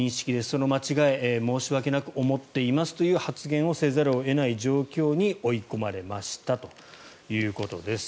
その間違いを申し訳なく思っていますという発言をせざるを得ない状況に追い込まれましたということです。